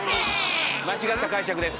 間違った解釈です。